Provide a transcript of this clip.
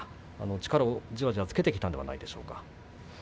力をじわじわつけているのではないでしょうか。